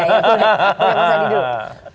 mas adi dulu